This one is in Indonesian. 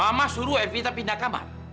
apa mama suruh eh vita pindah kamar